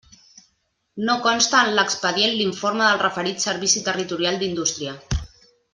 No consta en l'expedient l'informe del referit Servici Territorial d'Indústria.